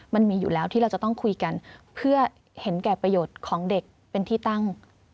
มันมีอยู่แล้วที่เราจะต้องคุยกันเพื่อเห็นแก่ประโยชน์ของเด็กเป็นที่ตั้ง